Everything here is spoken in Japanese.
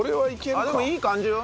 あっでもいい感じよ。